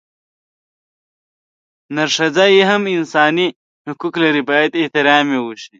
نرښځي هم انساني حقونه لري بايد احترام يې اوشي